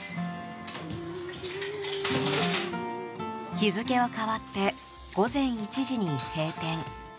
日付は変わって午前１時に閉店。